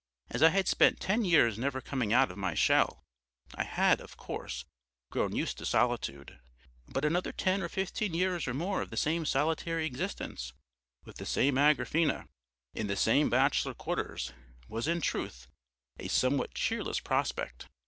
As I had spent ten years never coming out of my shell, I had, of course, grown used to solitude. But another ten or fifteen years or more of the same solitary existence, with the same Agrafena, in the same bachelor quarters, was in truth a somewhat cheerless prospect.